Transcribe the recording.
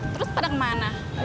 terus pada kemana